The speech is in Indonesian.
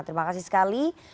terima kasih sekali